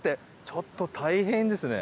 ちょっと大変ですね。